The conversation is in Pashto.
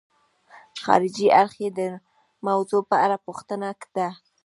خارجي اړخ یې د موضوع په اړه پوښتنه ده.